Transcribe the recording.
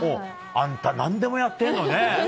あんた、何でもやってるのね。